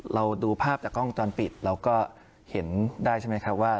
เราดูภาพจากกล้องจรปิดเราก็เห็นได้ใช่ไหมครับว่า